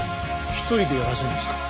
一人でやらせるんですか？